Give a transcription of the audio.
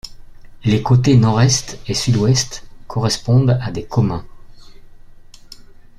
Les côtés nord-est et sud-ouest correspondent à des communs.